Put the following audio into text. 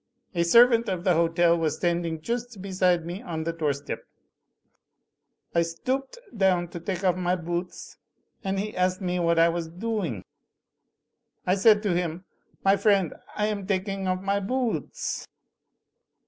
A servant of the hotel was standing joost beside me on the doorstep. I stoo ooped down to take off my boo oots, and he asked me what I was dooing. I said to him: *My friend, I am taking off my boo oots.